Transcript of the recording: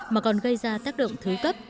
mà còn gây ra tác động thứ cấp